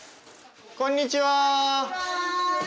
こんにちは！